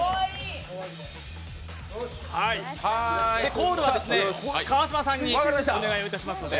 コールは川島さんにお願いいたしますので。